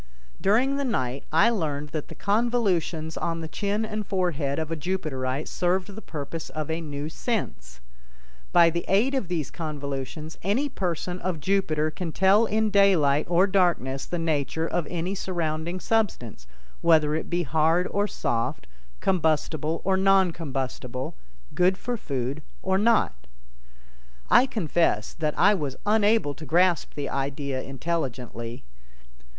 During the night I learned that the convolutions on the chin and forehead of a Jupiterite served the purpose of a new sense. By the aid of these convolutions any person of Jupiter can tell in daylight or darkness the nature of any surrounding substance, whether it be hard or soft, combustible or non combustible, good for food or not. I confess that I was unable to grasp the idea intelligently.